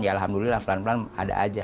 ya alhamdulillah pelan pelan ada aja